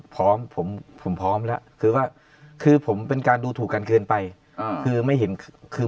พร้อมผมผมพร้อมแล้วคือว่าคือผมเป็นการดูถูกกันเกินไปคือไม่เห็นคือ